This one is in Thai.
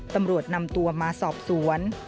ตำรวจนำตัวมาสอบสวน